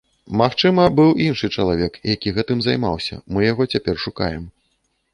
Магчыма, быў іншы чалавек, які гэтым займаўся, мы яго цяпер шукаем.